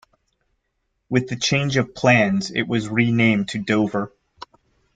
With the change of plans, it was renamed to Dover.